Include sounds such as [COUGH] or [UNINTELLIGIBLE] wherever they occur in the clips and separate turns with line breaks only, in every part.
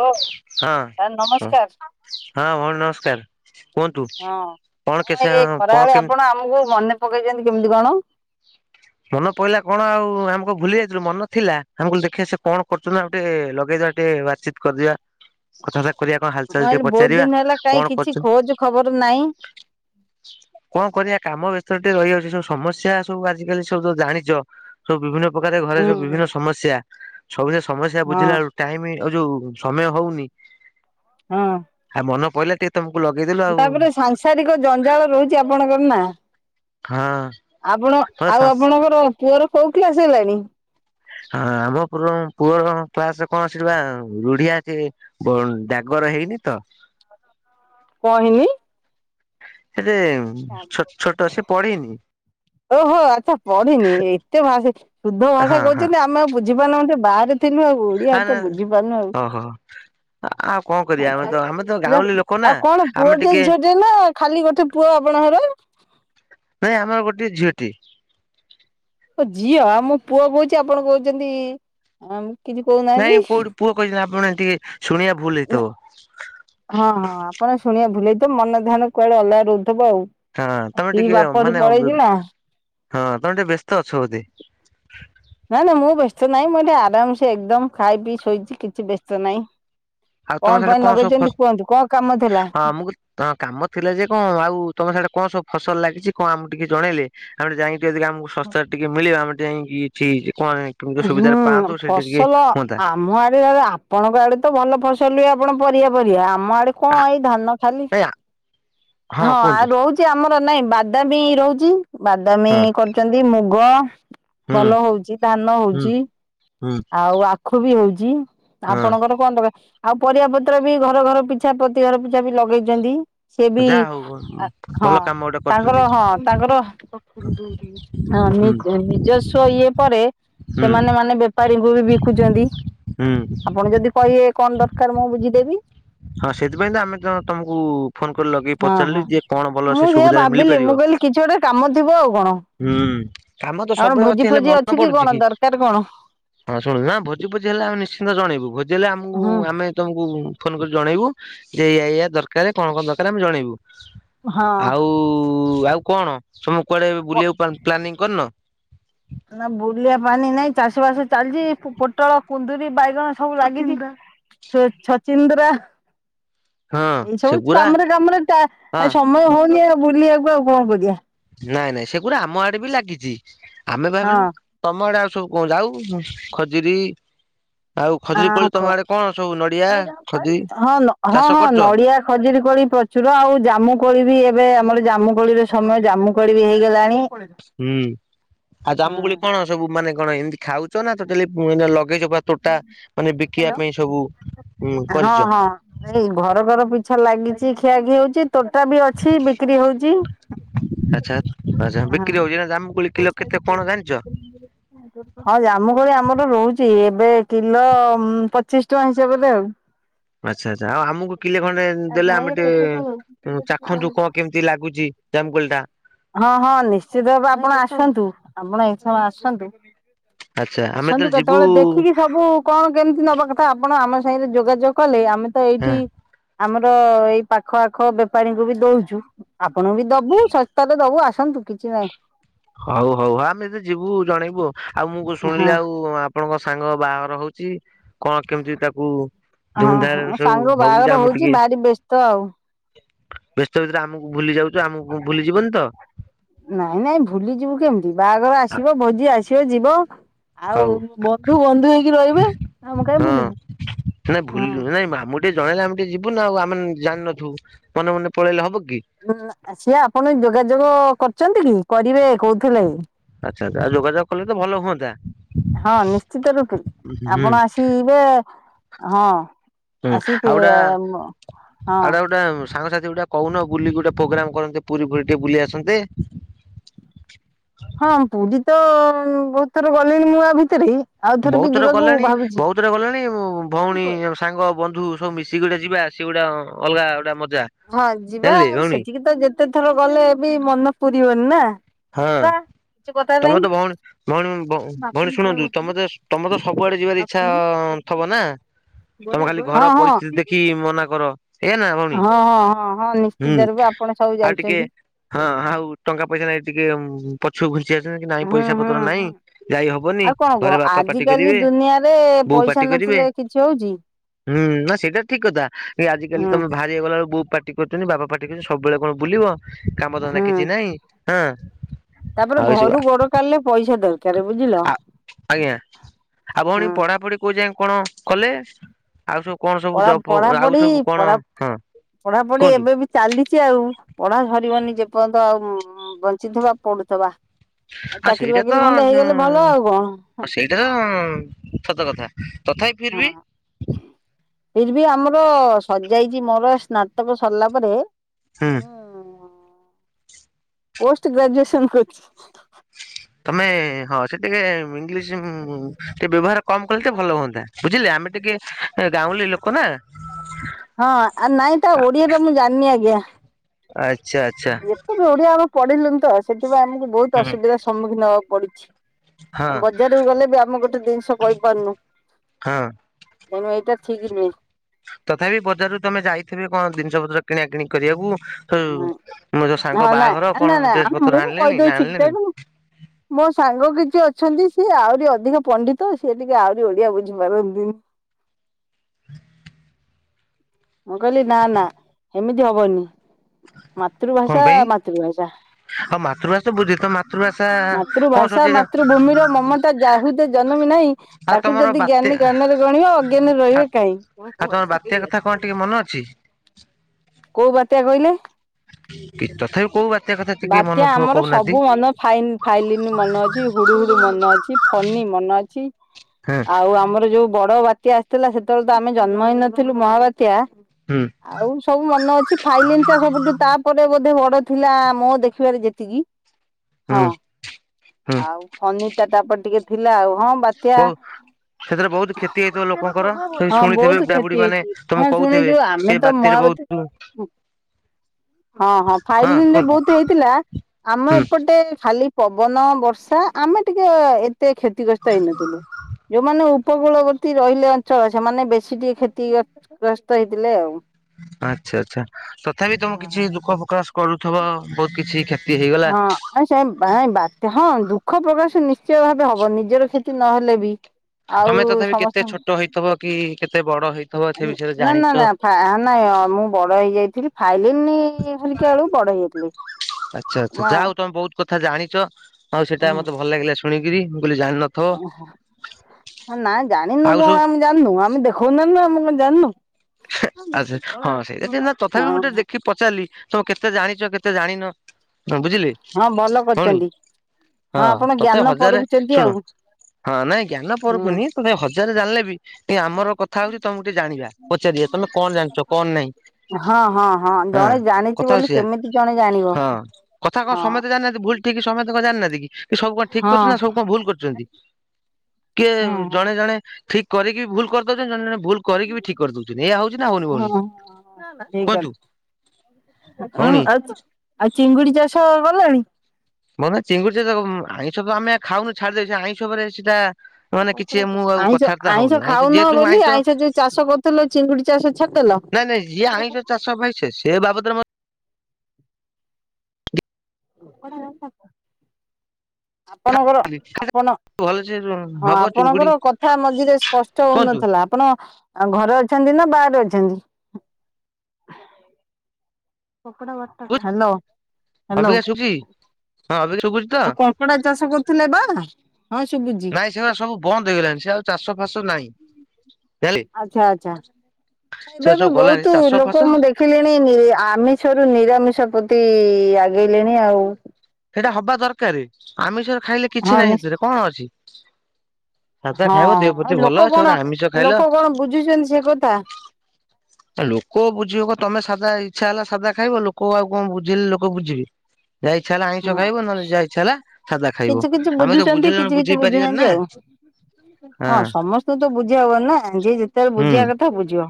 ହଉ
ହଁ ହ ହଁ ଭଉଣୀ ନମସ୍କାର। କୁହନ୍ତୁ
ହଁ କଣ ଏଇ
କଣ
ଖରାବେଳେ
କେମିତି
ଆପଣ ଆମକୁ ମନେ ପକେଇଛନ୍ତି କେମିତି କଣ
ମନେ ପଡ଼ିଲା କଣ ଆଉ ଆମକୁ ଭୁଲି ଯାଇଥିଲୁ ମନେ ନ ଥିଲା ଆମକୁ ଦେଖିବା ସେ କଣ କ ଉ ଟିକେ ଲଗେଇଦବା ଟିକେ ବାର୍ଚିତ କରିଦିବା କଥାବାର୍ତ୍ତା କରିବା କଣ
ମୁଁ
ହାଲଚାଲ୍
କହିଲି
ଟିକେ
ବହୁତ
ପଚାରିବା
ଦିନ ହେଲା କାହିଁ
କଣ
କିଛି
କରୁଛ
ଖୋଜ ଖବର ନାହିଁ
କଣ କରିବା କାମ ଭିତରେ ଟିକେ ରହିଯାଉଛି ସବୁ ସମସ୍ୟା ସବୁ ଆଜିକାଲି ସବୁ ତ ଜାଣିଛ ସବୁ ବିଭିନ୍ନ ପ୍ରକାର ଘରେ
ହୁଁ
ସବୁ
ହୁଁ
ବିଭିନ୍ନ ସମସ୍ୟା ସବୁଥିରେ ସମସ୍ୟା
ହଁ।
ବୁଝିଲା ବେଳୁ ଟାଇମ୍ ଉ ଯୋଉ ସମୟ ହଉନି
ହଁ
ଆ ମନ ପହିଲା ଟିକେ ତମକୁ ଲଗେଇ ଦେଲୁ
ତାପରେ ସାଂସାରିକ ଜଞ୍ଜାଳ ରହୁଛି ଆପଣଙ୍କର ନା।
ହଁ
ଆପଣ ଆଉ
ତମେ
ଆପଣଙ୍କର ପୁଅର କୋଉ କ୍ଳାସ ହେଲାଣି?
ହଁ ଆମ ପ ପୁଅ କ୍ଲାସ ରେ କଣ ଥିଲା ବା ରୁଢିଆ ଅଛି। ଜାଗର ହେଇନି ତ।
[INAUDIBLE] କଣ ହେଇନି।
ଏ ଯେ ଛୋଟ ଛୋଟ ସେ ପଢିନି
ଓହୋ ଆଚ୍ଛା ପଢିନି ଏତେ ଭାଷା ଶୁଦ୍ଧ ଭାଷା
ହଁ ହଁ
କହୁଛନ୍ତି ଆମେ ଆଉ ବୁ ବୁଝିପାରୁନାନ୍ତି ବାହାରେ ଥିଲୁ ଆଉ ଓଡିଆ ତ ବୁଝି ପାରୁନୁ ଆଉ
ଓହୋ ଆଉ କଣ କରିବା ଆମେ ତ ଆମେ ତ
ଆଛା
ଗାଉଁଲି ଲୋକ ନା
ଆଉ କଣ
ଆମେ
ପୁଅ ଟି
ଟିକେ
ଝି ନା ଖାଲି ଗୋଟେ ପୁଅ ଆପଣଙ୍କର।
ନାଇଁ ଆମର ଗୋଟେ ଝିଅଟିଏ
ଓ ଝିଅ ମୋ ପୁଅ କହୁଛି ଆପଣ କହୁଛନ୍ତି ଆ କିଛି
ନାଇଁ
କହୁନାହାନ୍ତି।
କୋଉଠି ପୁଅ କହିଛନ୍ତି ଆପଣ ଟିକେ ଶୁଣିବା ଭୁଲ୍ ହେଇଥିବ।
ହଁ ହଁ ଆପଣ ଶୁଣିବା ଭୁଲ୍ ହେଇଥିବ ମନ ଧ୍ୟାନ କୁଆଡେ ଅଲଗା ରହୁଥିବ ଆଉ,
ହଁ ତମେ
ସ୍ତ୍ରୀ
ଟିକେ
ବାପ ଘର
ମାନେ
ପଳେଇଥିଲା।
ହଁ ତମେ ଟିକେ ବ୍ୟସ୍ତ ଅଛ ବୋଧେ।
ନାଇଁ ନାଇଁ ମୁଁ ବ୍ୟସ୍ତ ନହିଁ ମୁଁ ଏଠି ଆରାମସେ ଏକଦମ ଖାଇ ପିଇ ଶୋଇଛି କିଛି ବ୍ୟସ୍ତ ନାହିଁ।
ଆଉ ତମେ
କଣ
ସେଟା
ପାଇଁ ଲଗେଇଛନ୍ତି କୁହନ୍ତୁ କଣ କାମ ଥିଲା।
ତ କାମ ଥିଲା ଯେ କଣ ଆଉ ତମ ସିଆଡେ କଣ ସବୁ ଫସଲ ଲାଗିଛି କଣ ଆମକୁ ଟିକେ ଜଣେଇଲେ ଆମେ ଯାଇକି ଯଦି ଆମକୁ ଶସ୍ତାରେ ଟିକେ ମିଳିବ ଆମେ ଯାଇକି କିଛି କଣ
ହୁଁ
ସୁବିଧାରେ ପାଆନ୍ତୁ ସେଠି ଟିକେ
ଫସଲ
ହୁଅନ୍ତା।
ଆମ ଆଡେ ଆପଣଙ୍କ ଆଡେ ତ ଭଲ ଫସଲ ହୁଏ ଆପଣ ପରିବା ପରିବା ଆମ ଆଡେ କଣ ଏଇ ଧାନ ଖାଲି।
ଆ
ହଁ ଆଉ ରହୁଛି ଆମର ନାଇଁ ବାଦାମୀ ରହୁଛି ବାଦାମୀ
ହଁ
କରିଛନ୍ତି ମୁ ମୁଗ
ହୁଁ
ଭଲ ହଉଛି ଧାନ
ହୁଁ
ହଉଛି।
ହୁଁ
ଆଉ ଆଖୁ ବି ହଉଛି
ହଁ
ଆପଣଙ୍କର କଣ ଟକାର ଆଉ ପରିବା ପତ୍ର ବି ଘର ଘର ପିଛା ପ୍ରତି ଘର ପିଛା ବି ଲଗେଇଛନ୍ତି। ସେ ବି
ଯାହା ହଉ
ହଁ
ଭଲ କାମ ଗୋଟେ କରୁଛନ୍ତି
ତାଙ୍କର ହଁ ତାଙ୍କର
ହୁଁ
ହଁ ନିଜସ୍ୱ ଇଏ ପରେ
ହୁଁ
ସେମାନେ ମାନେ ବେପାରୀଙ୍କୁ ବି ବିକୁଛନ୍ତି
ହୁଁ
ଆପଣ ଯଦି କହିବେ କଣ ଦରକାର ମୁଁ ବୁଝିଦେବି।
ହଁ ସେଥିପାଇଁ ତ ଆମେ ତ ତମକୁ ଫୋନ କରି ଲଗେଇକି
ହଁ ହଁ
ପଚାରିଲେ ଯେ କଣ ଭଲ
ମୁଁ
ସେ
ସେଆ
ସୁବିଧାାରେ ମିଳି ପା
ଭାବିଲି ମୁଁ କହିଲି କିଛି ଗୋଟେ କାମ ଥିବ ଆଉ କଣ।
ହୁଁ କାମ ତ
କଣ
ସବୁବେଳେ
ଭୋଜି
ଅଛି ହେଲେ
ଫୋଜି
ମନ
କଣ
ପଡୁଛି କି।
ଦରକାର କଣ
ହଁ ଶୁଣିଲୁ ନା ଭୋଜି ଭୋଜି ହେଲେ ଆମେ ନିଶ୍ଚିନ୍ତ ଜଣେଇବୁ ଭୋଜି ହେଲେ ଆମକୁ
ହୁଁ
ଆମେ ତମକୁ ଫୋନ କରୁ ଜଣେଇବୁ ଯେ ୟ ୟା ଦରକାର କଣ କଣ ଦରକାର ଆମେ ଜଣେଇବୁ। ଆଉ
ହଁ
ଆଉ କଣ ତମ କୁଆଡେ ବୁଲିବାକୁ ପ୍ଲାନିଂ କରନ?
ନା ବୁଲିବା ପାାନଣି ନାାଇଁ ଚାଷ ବାସ ଚାଲିଛି ପୋଟଳ କୁନ୍ଦୁୁରୀ ବାଇଗଣ ସବୁ ଲାଗିଚି। ଛଚିନ୍ଦ୍ରା
ହଁ
ଏଇ ସବୁ
ସେଗୁରା
କାମରେ ଜାମରୋ ଚା
ହଁ
ସ ସମୟ ହଉନି ଆଉ ବୁଲିବାକୁ ଆଉ କଣ କରିଆ।
ନାଇଁ ନାଇଁ ସେଗୁଡା ଆମ ଆଡେ ବି ଲାଗିଛି ଆମେ ଭାବିଲୁ ତମ ଆଡେ ଆଉ ସବୁ କଣ ଯାଉ ଖଜୁରୀ ଆଉ ଖଜୁରୀ କୋଳି ତମ ଆଡେ କଣ ସବୁ ନଡିଆ ଖଜୁରୀ ଚାଷ କରୁଚ଼?
ଖଜୁର କୋଳି ପ୍ରଚୁର ଆଉ ଜାମୁ କୋଳି ବି ଏବେ ଆମର ଜାମୁ କୋଳି ର ସମୟ ଜାମୁ କୋଳି ବି ହେଇଗଲାଣି।
ହୁଁ ଆଉ ତମୁ କୋଳି କଣ ସବୁ ମାନେ କଣ ଏମତି ଖାଉଛ ନା ତ ଲଗେଇଛ। ତୋଟା ମାନେ ବିକିବା ପାଇଁ ସବୁ ଉ
ହଁ
କରି ଚ଼।
ହଁ ଏଇ ଘର ଘର ପିଛା ଲାଗିଛି ଖିଆ ଖି ହଉଛି ତୋଟା ବି ଅଛି ବିକ୍ରି ହଉଛି।
ଆଚ୍ଛା ଆଚ୍ଛା
ହଁ
ବିକ୍ରି ହଉଛି ଜାମୁ କୋଳି କିଲୋ କେତେ କଣ ଜାଣିଚ?
ହଁ ଜାମୁ କୋଳି ଆମର ରହୁଛି ଏବେ କିଲୋ ପଚିଶ ଟଙ୍କା ହିସାବରେ ଆଉ।
ଆଚ୍ଛା ଆଚ୍ଛା ଆଉ ଆମକୁ କିଲେ ଖଣ୍ଡେ ଦେଲେ ଆମେ ଟିକେ ତ ଚାଖନ୍ତୁ କଣ କେମତି କେମିତି ଲାଗୁଚି ଜାମୁ କୋଳିଟା?
ହଁ ହଁ ନିଶ୍ଚିତ ଭବେ ଆପଣ ଆସନ୍ତୁ ଆପଣ ଏଇସୟ ଆସନ୍ତୁ।
ଆଚ୍ଛା ଆମେ
ଆସନ୍ତୁ
ଯେତେବେଳେ ଯିବୁ
କେତେବେଳେ ଦେଖିକି ସବୁ କଣ କେମିତି ନବା କଥା ଆପଣ ଆମ ସାଙ୍ଗରେ ଯୋଗାଯୋଗ କଲେ ଆମେ ତ
ହଁ
ଏଇଠି ଆମର ଏଇ ପାଖ ଆଖ ବେପାରୀଙ୍କୁ ବି ଦଉଛୁ ଆପଣଙ୍କୁ ବି ଦବୁ ସର ତାହେଲେ ଦବୁ ଆସନ୍ତୁ କିଛି ନାହିଁ।
ହଉ ହଉଉ ଆମେତ ଯିବୁ ଜଣେଇବୁ ଆଉ ମୁଁ କ ଶୁଣିଲି
ହଁ
ଆଉ ଆପଣଙ୍କ ସାଙ୍ଗ ବାହାଘର ହଉଛି କଣ କେମିତି ତାକୁ
ହଁ
ଧଉଁ ଧା
ହଁ।
ସବୁ
ସାଙ୍ଗ ବାହାଘର
ହଉଛି ଆମର ଟିକେ।
ଭାରି ବ୍ୟସ୍ତ ଆଉ।
ବ୍ୟସ୍ତ ଭିତରେ ଆମକୁ ଭୁଲି ଯାଉଛ ଆମକୁ ଭୁଲିଯିବନି ତ?
ନାଇଁ ନାଇଁ ଭୁଲି ଯିବୁ କେମିତି ବାହାଘର ଆସିବ ଭୋଜି ଆସିବ ଯିବ। ଆଉ
ହଉ
ବନ୍ଧୁ ବନ୍ଧୁ ହେଇକି ରହିବେ ଆମ କାଇଁ ଭୁଲିବୁ।
ନାଇ ଭୁଲି
ହଁ।
ହୁଏ। ଟିକେ ଜଣେଇଲେ ଆମେ ଟିକେ ଯିବୁନ ଆଉ ଆମେ ଜାଣିିନଥୁ ମନେ ମନେ ପଳେଇଲେ ହବ କି।
ଉଁ ସିଏ ଆପଣ ଯୋଗାଯୋଗ କରୁଛନ୍ତି କି କରିବେ କହୁଥିଲେ?
ଆଚ୍ଛା ତାହାହେଲେ ଯୋଗାଯୋଗ କଲେ ତ ଭଲ ହୁଅନ୍ତା।
ହଁ ନିଶ୍ଚିତ ରୂପେ
ହୁଁ ହୁଁ
ଆପଣ ଆସିବେ ହଁ।
ହୁଁ
ଆସିବେ
ଆଉ ଗୋଟା
ହଁ।
ଆଉଟା ଗୋଟେ ସାଙ୍ଗସାଥି ଗୋଟେ କହୁନ ବୁଲି ଗୋଟେ ପ୍ରୋଗ୍ରାମ କରନ୍ତେ ପୁରୀ ପୁରୀ ଟିକେ ବୁଲି ଆସନ୍ତେ।
ହଁ ପୁରୀ ତ ବହୁତ ଥର ଗଲିଣି ମୁଁ ଆ ଭିତରେ ଆଉ ଥରେ ବି
ବହୁତରେ
ଯିବାକୁ
ଗଲେଣି
ଭାବୁଛି।
ବହୁତର ଗଲାଣି ଭଉଣୀ ସାଙ୍ଗ ବନ୍ଧୁ ସବୁ ମିଶିକି ଗୋଟେ ଯିବା ସିଏ ଗୋଟେ ଅଲଗା ଗୋଟେ ମଜା
ହଁ ଯିବା
ଜାଣିଲେ
ଆଉ
ଭଉଣୀ
ସେଠିକି ତ ଯେତେଥର ଗଲେ ଏ ବି ମନ ପୁରିବନି ନା।
ହଁ।
ଯିବା। କିଛି କଥା
ତମେ
ନାହିଁ
ତ ଭଉଣୀ ଭଉଣୀ ଭଉଣୀ ଶୁଣନ୍ତୁ ତମେ ତ ତମେ ତ ସବୁଆଡେ ଯିବାର ଇଚ୍ଛା ଥିବ ନା ତମେ ଖାଲି
ହଁ
ଘର
ହଁ ହଁ
ପରିସ୍ଥିତି ଦେଖିକି ମନା କର। ଏ ନା ଭଉଣୀ
ହଁ ହଁ ହଁ
ହୁଁ
ନିଶ୍ଚିତ ରୂପେ ଆପଣ ସବୁ
ଆଉ ଟିକେ
ଜାଣିଛନ୍ତି।
ହଁ ଆଉ ଟଙ୍କା ପଇସା ନାଇଁ ଏତିକି ଆଉ। ପଛକୁ ଘୁଞ୍ଚି ଆସିଛନ୍ତି କି ନାଇଁ
ହୁଁ
ପଇସା
ହୁଁ
ପତ୍ର ନାଇଁ
ହୁଁ
ଯାଇ ହବନି
ଆଉ କଣ ଘ
ଘରେ ବାପା ପାଟି କରିବେ ବୋଉ ପା
ଇଛା ନଥିଲେ କିଛି ହଉଛି
ହୁଁ ନା ସେଇଟା ଠିକ କଥା ଆଜିକାଲି
ହୁଁ
ତମେ ଭାର ହେଇଗଲା ବେଳକୁ ବୋଉ ପାଟି କରୁଛନ୍ତି ବାବା ପାଟି କରୁଛନ୍ତି ସବୁବେଳେ କଣ ବୁଲିବ କାମଧନ୍ଦା
ହୁଁ।
କିଛି ନାହିଁ। ହଁ
ତାପରେ
ଆଉ ଏସବୁ
ଘରୁ ଗୋଡ କାଢିଲେ ପଇସା ଦରକାର ବୁଝିଲ।
ଆଜ୍ଞା ଆଉ
ହୁଁ
ଭଉଣୀ ପଢାପଢି କୋଉ ଯାଏ କଣ କଲେ ଆଉ ସୁ
ପଢାପଢିଢା
ହଁ
ପଢାପଢି
କୁହନ୍ତୁ
ଏବେ ବି ଚାଲିଛି ଆଉ ପଢା ସରିବନି ଯେପର୍ଯ୍ୟନ୍ତ ଆଉ ବଞ୍ଚିବା ଥିବା ପଢୁଥିବା। ଆଉ
ହଁ
ଚାକିରି
ସେଇଟା
ବାକିରି ଖଣ୍ଡେ ହେଇଗଲେ ଭଲ ଆଉ କଣ?
ହୁଁ ସତ କଥା। ତଥାପି ଫିର
ହଁ
ବି
ଫିର୍ ବି ଆମର ସଜାଇଛି ମୋର ସ୍ନା ତାକୁ ସରିଲା ପରେ
ହୁଁ।
ମୁଁ ପୋଷ୍ଟ ଗ୍ରାଜୁଏସନ୍ କରୁଛି।
ତମେ ହଁ ସେ ଟିକେ ଇଂଲିଶ ଟିକେ ବ୍ୟବହାର କମ କଲେ ତ ଭଲ ହୁଅନ୍ତା। ବୁଝିଲେ ଆମେ ଟିକେ ଗାଉଁଲି ଲୋକ ନା।
ହଁ ନାଇଁ ତ ଓଡିଆରେ ମୁଁ ଜାଣିନି ଆଜ୍ଞା।
ଆଚ୍ଛା। ଆଚ୍ଛା
ଏତେ ବି ଓଡିଆ ଆମେ ପଢିଲୁନି ତ ସେଥିପାଇଁ ଆମକୁ ବହୁତ ଅସୁବିଧାର ସମ୍ମୁଖୀନ ହବାକୁ
ହଁ।
ପଡୁଛି। ବଜାରକୁ ଗଲେ ବି ଆମେ ଗୋଟେ ଜିନିଷ କହିପାରୁନୁ।
ହଁ
ତେଣୁ ଏଇଟା ଠିକ୍ ନୁହେଁ।
ତଥାପି ବଜାର ରରୁ ତମେ ଯାଇଥିବେ କଣ ଜିନିଷ ପତ୍ର କିଣା କିଣି କରିବାକୁ।
ହଁ
ହ ମୋ ଯୋଉ ସାଙ୍ଗ
ହଁ ନା
ବାହାଘର
ନା
କଣ
ନା
ଡ୍ରେସ ପତ୍ର
ମୁଁ
ଆଣିଲେଣି ନା
କହିଦଉଛି
ଆଣିଲେଣିି।
ତେଣୁ ମୋ ସାଙ୍ଗ କିଛି ଅଛନ୍ତି ସିଏ ଆହୁରି ଅଧିକ ପଣ୍ଡିତ ସିଏ ଟିକେ ଆହୁରି ଓଡିଆ ବୁଝିପାରନ୍ତିନି।
ହ। [INAUDIBLE]
ମୁଁ କହିଲି ନା ନା ଏମିତି ହବନି
କଣ
ମାତୃଭାଷା
ପାଇଁ
ମାତୃଭାଷା।
ଆଉ ମାତୃଭାଷା ତ ବୁଝେ ତ ମାତୃଭାଷା କଣ
ମାତୃଭାଷା
ସଚେଇ
ମାତୃଭୂମିର ମମତା ଯାହୁଦ ଜନ୍ମିମି ନାହିଁ।
ଆଉ
ତାକୁ
ତମର
ଯଦି
ବାତ୍ୟା
ଜ୍ଞାନୀ ଜ୍ଞାନରେ ଗଣିବ ଅଜ୍ଞାନରେ
ଆ
ରହିବେ
ଆଉ ତମର
କାହିଁ।
ବାତ୍ୟା କଥା କଣ ଟିକେ ମନ ଅଛି।
କୋଉ ବାତ୍ୟା କହିଲେ
କି ତଥାପି କୋଉ ବା
ବାତ୍ୟା ଆମର ସବୁ ମନ ଫ ଫାଇଲିନ ମନ ଅଛି ହୁଡୁ ହୁଡୁ ମନ ଅଛି। ଫନି ମନ ଅଛି
ହୁଁ
ଆଉ ଆମର ଯୋଉ ବଡ ବା ତ୍ୟା ଆସିଥିଲା ସେତେବେଳେ ତ ଆମେ ଜନ୍ମ ହେଇନଥିଲୁ ମହାବାତ୍ୟା।
ହୁଁ।
ଆଉ ସବୁ ମନେ ଅଛି ଫାଇଲିନ୍ ଟା ସବୁଠୁ ତାପରେ ବୋଧେ ବଡ ଥିଲା। ମୋ ଦେଖିବାରେ ଯେତିକି ହଁ
ହୁଁ ହୁଁ
ଆଉ ଫନି ଟା ତାପରେ ଟିକେ ଥିଲା ଆଉ ହଁ ବାତ୍ୟା।
କୋଉ ସେଥିରେ ବହୁତ କ୍ଷତି ହେଇଥିବ ଲୋକଙ୍କର ସେ
ହଁ
ଶୁଣିଥିବେ
ବହୁତ
ବୁଢାବୁଢୀ
କ୍ଷତି
ମାନେ
ହେଇଛି
ତମେ
ହଁ
କହୁଥିବେ
ଶୁଣିଛୁ ଆମେ
ଏ
ତ
ବାତ୍ୟାରେ
ମହାବାତ୍ୟା
ବହୁତ [UNINTELLIGIBLE]
ହଁ ହଁ ଫାଇଲିଲେ ବହୁତ ହେଇଥିଲା ଆମ
ହୁଁ
ଏପଟେ ଖାଲି ପବନ ବର୍ଷା ଆମେ ଟିକେ ଏତେ କ୍ଷତିଗ୍ରସ୍ତ ହେଇନଥିଲୁ। ଯୋଉମାନେ ଉପକୂଳବର୍ତ୍ତୀ ରହିଲେ ଅଞ୍ଚଳ ସେମାନେ ବେଶୀ ଟିକେ କ୍ଷତି ଗ୍ରସ୍ତ ହେଇଥିଲେ ଆଉ।
ଆଛା ଆଛା ତଥାପି ତମେ କିଛି ଦୁଃଖ ପ୍ରକାଶ କରୁଥିବ ବହୁତ କିଛି କ୍ଷ
ହଁ। ନାଇଁ ସେ ବାଏ ବାତ ହଁ ଦୁଃଖ ପ୍ରକାଶ ନିଶ୍ଚୟ ଭାବେ ହବ ନିଜର କ୍ଷତି ନହେଲେ ବି। ଆଉ ସମସ୍ତଙ୍କ
ତବ କି କେତେ ବଡ ହେଇ
ନା ନା ନା ଫା ନାଇଁ ମୁଁ ବଡ ହେଇଯାଇଥିଲି ଫାଇଲି [UNINTELLIGIBLE]
ଆଛା ଆଛା ଯା ହଉ ତମେ ବହୁତ କଥା ଜାଣିଛ ଆଉ ସେଇଟା ମତେ ଭଲ ଲାଗିଲା ଶୁ ଶୁଣିରିକିରି ମୁଁ କଇଲି ଜାନ
ଓହୋ ନାଇ ଜାଣିନୁ
ଆଉ
କଣ
ସବୁ
ଆମେ ଜାଣିନୁ ଆମେ ଦେଖଉନୁ ନା ଆମେ କଣ ଜାଣିନୁ।
ଆଛା ହଁ ସେଇଟା ତଥାପି ମୁଁ ଟିକେ
ହଁ
ଦେଖି ପଚାରିଲି ତମେ କେତେ ଜାଣିଛ କେତେ ଜାଣିନ। ହଁ ବୁଝିଲେ
ହଁ ଭଲ
ଭଉଣୀ
କରିଛନ୍ତି
ହଁ
ଆପଣ
ତତେ
ଜ୍ଞାନ
ହଜାରେ
ପରଖୁଛନ୍ତି ଆଉ।
ଶୁଣ ହଁ ନାଇଁ ଜ୍ଞାନ
ହୁଁ
ପରଖୁନି ତତେ ହଜାରେ ଜାଣିଲେ ବି ଆମର କଥା ହଉଛି ତମେ ଟିକେ ଜାଣିବା। ପଚାରିବ ତମେ କଣ ଜାଣିଛ କଣ ନାଇଁ।
ହଁ ହଁ ହଁ ଜଣେ ଜାଣିଛି
ହଉଛି
ବୋଲି
ସେଇଆ
କେମିତି ଜଣେ ଜାଣିବ।
ହଁ। କଥା କଣ
ହଁ
ସମତେ ଜାଣିନାହାନ୍ତି ଭୁଲ ଠିକି ସମତେ କଣ ଜାଣିନାହାନ୍ତି କି? କି ସବୁ କଣ ଠିକ
ହଁ
କରୁଛନ୍ତି ନା ସବୁ କଣ ଭୁଲ କରୁଛନ୍ତି କିଏ
ହଁ
ଜଣେ ଜଣେ ଠିକ କରିକି ଭୁଲ କରିଦଉଛନ୍ତି ଜଣେ ଜଣେ ଭୁଲ କରି କି ବି ଠିକ କରିଦଉଛନ୍ତି ଏଇଆ ହଉଛି ନା ହଉନି
ହଁ
ଭଉଣୀ
ହଁ ଠିକ
କୁହନ୍ତୁ।
ଉଁ
ଭଉଣୀ।
ଆଉ ଆଉ ଚିଙ୍ଗୁଡି ଚାଷ କଲଣି?
ମନେ ଚିଙ୍ଗୁଡି ଚାଷ ଆଇଁଷ ତ ଆମେ ଖାଉନୁ ଛାଡିଦଉଛେ ଆଇଁଷବରେ ସେଟା ମାନେ କିଛି ମୁଁ ଆଉ
ଆଇଁଷ
କଥାବାର୍ତ୍ତା ହଉନି
ଆଇଁଷ ଖାଉନ
ଯେହେତୁ ମୁଁ
ବୋଲି ଆଇଁଷ ଯୋଉ ଚାଷ କରୁଥିଲ ଚିଙ୍ଗୁଡି ଚାଷ ଛାଡିଦେଲ।
ନାଇଁ ନାଇଁ ଯିଏ ଆଇଁଷ ଚାଷ ପାଇଁ ସେ ସେ ବାବଦରେ
ଆପଣଙ୍କର ଆପଣ
ଭଲ ସେ
ହଁ
ହବ ଚୁଙ୍ଗୁଡି
ଆପଣଙ୍କର କଥା ମଝିରେ ସ୍ପଷ୍ଟ
କୁହନ୍ତୁ
ହଉନଥିଲା। ଆପଣ ଆଉ ଘରେ ଅଛନ୍ତି ନା ବାହାରେ ଅଛନ୍ତି? ହାଲୋ।
ଅବିକା ଶୁଖି ହଁ ଅବିକା ଶୁଖୁ
ଆଉ କଙ୍କଡା ଚାଷ କରୁଥିଲେ ବା ହଁ ଶୁବୁଛି।
ନାଇ ସେ ସବୁ ବନ୍ଦ ହେଇଗଲାଣି ସେ ଆଉ ଚାଷ ଫାସ ନାହିଁ। ଜାଣିଲେ
ଆଛା ଆଛା
ସେ
ଏବେ ବି
ସବୁ ଗଲାଣି
ବହୁତ
ଚାଷ ଫାସ
ଲୋକ ମୁଁ ଦେଖ ଦେଖିଲିଣି ଆମିଷରୁ ନିରାମିଷ ପ୍ରତି ଆଗେଇଲେଣି ଆଉ।
ସେଇଟା ହବା ଦରକାର ଆମିଷରେ ଖାଇଲେ କିଛି
ହଁ
ନାହିଁ
ନିଶ୍
ସେଥିରେ କଣ ଅଛି? ସାଧା ଖାଇବ ଦେହ
ହଁ
ପ୍ରତି
ଲୋକ
ଭଲ
କଣ
ସେଟା ଆମିଷ
ଲୋକ
ଖାଇଲ
କଣ ବୁଝୁଛନ୍ତି ସେ କଥା
ଲୋକ ବୁଝିବ କ ତମେ ସାଧା ଇଚ୍ଛା ହେଲା ସାଧା ଖାଇବ ଲୋକ ଆଉ କଣ ବୁଝିଲେ ଲୋକ ବୁଝିବେ। ଯା ଇଚ୍ଛା ହେଲା ଆଇଁଷ
ହଁ।
ଖାଇବ ନହେଲେ ଯା ଇଚ୍ଛା ହେଲା ସାଧା ଖାଇବ
କିଛି କିଛି
ଆମେ ତ
ବୁଝୁଛନ୍ତି
ବୁଝେଇଲେ
କିଛି କିଛି
ବୁଝେଇ ପାରିବାନି ନା
ବୁଝୁନାହାନ୍ତି ଆଉ ହଁ ସମସ୍ତ ତୁତ ବୁଝେଇ ହବ ନା ଯିଏ ଯେତେବେଳେ
ହୁଁ
ବୁଝିବା କଥା ବୁଝିବ।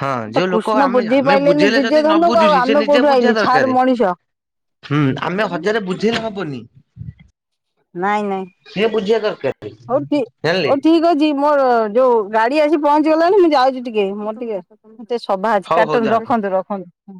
ହଁ
ତ
ଯୋଉ ଲୋକ
କୃଷ୍ଣ
ଆମେ
ବୁଝି
ଆମେ
ପାରିଲେନି
ବୁଝେଇଲେ ଯଦି ନ
ଦୂର୍ଯ୍ୟଧନକୁ ଆଉ
ବୁଝୁଛି ସେ
ଆମେ
ନିଜେ
କୋଉଠୁ
ବୁଝିବା
ଆଇଲୁ
ଦରକାର
ଛାର ମଣିଷ।
ହୁଁ ଆମେ ହଜାରେ ବୁଝେଇଲେ ହବନି।
ନାଇଁ ନାଇଁ
ସିଏ ବୁଝିବା ଦରକାର
ହଉ ଠି
ଜାଣିଲେ
ହଉ ଠିକ ମୋର ଯୋଉ ଗାଡି଼ ଆସି ପହଞ୍ଚି ଗଲାଣି ମୁଁ ଯାଉଛି ଟିକେ ମୋର ଟିକେ ମତେ ସଭା ଅଛି
ହଉ ହଉ
କାଟନ୍ତୁ
ଯାଆନ୍ତୁ।
ରଖନ୍ତୁ ରଖନ୍ତୁ।